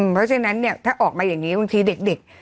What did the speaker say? เพราะฉะนั้นเนี่ยถ้าออกมาอย่างนี้บางทีเด็ก